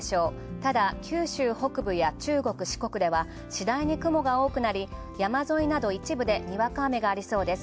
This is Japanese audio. ただ九州北部や中国・四国ではしだいに雲が多くなり、山沿いなど一部でにわか雨がありそうです。